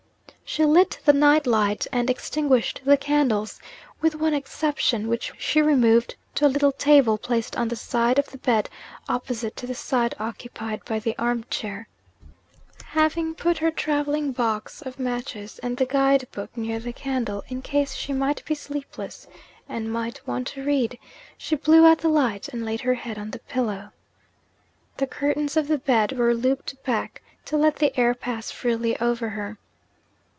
She lit the night light, and extinguished the candles with one exception, which she removed to a little table, placed on the side of the bed opposite to the side occupied by the arm chair. Having put her travelling box of matches and the guide book near the candle, in case she might be sleepless and might want to read, she blew out the light, and laid her head on the pillow. The curtains of the bed were looped back to let the air pass freely over her.